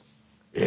え！